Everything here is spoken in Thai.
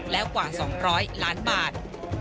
แล้วกว่า๒๐๐ล้านบาท